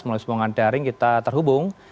melalui semuangan daring kita terhubung